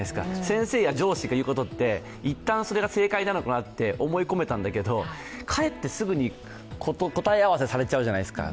先生や上司が言うことっていったんそれが正解なのかなと思い込めたんだけどかえって、すぐに答え合わせされちゃうじゃないですか。